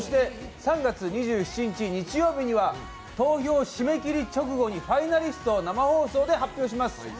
３月２７日日曜日には投票締め切り直後にファイナリストを生放送で発表します。